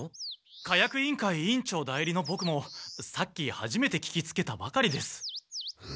火薬委員会委員長代理のボクもさっきはじめて聞きつけたばかりです。